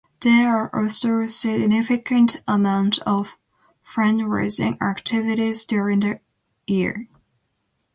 There are also a significant amount of fund-raising activities during the year.